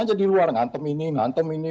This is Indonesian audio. aja di luar ngantem ini ngantem ini